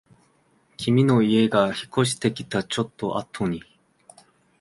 君の家が引っ越してきたちょっとあとに